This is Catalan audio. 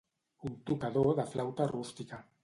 Un tocador de flauta rústica.